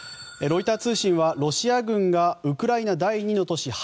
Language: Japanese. ロイター通信はロシア軍がウクライナ第２の都市